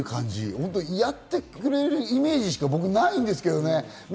やってくれるイメージしか僕、ないんですけれどね。